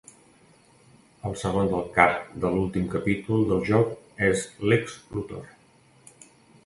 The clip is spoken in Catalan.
El segon del cap de l'últim capítol del joc és Lex Luthor.